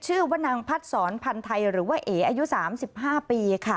ชื่อว่านางพัดศรพันธ์ไทยหรือว่าเอ๋อายุ๓๕ปีค่ะ